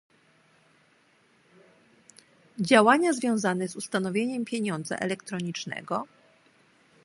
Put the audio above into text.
Działania związane z ustanowieniem pieniądza elektronicznego